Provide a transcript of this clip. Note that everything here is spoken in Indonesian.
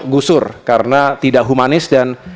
gusur karena tidak humanis dan